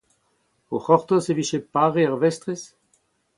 O c’hortoz e vije pare ar vestrez ?